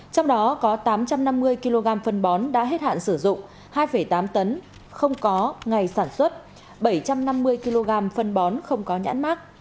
trong đó có tám trăm năm mươi kg phân bón đã hết hạn sử dụng hai tám tấn không có ngày sản xuất bảy trăm năm mươi kg phân bón không có nhãn mát